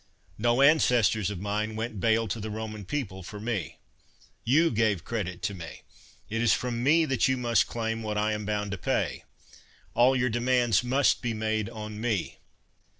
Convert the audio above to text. No ancestors of mine went bail to the Roman people for me : you gave credit to me ; it is from me that you must claim what I am bound to pay : all your demands must be made on me.